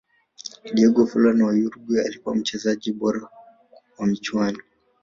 diego forlan wa uruguay alikuwa mchezaji bora wa michuano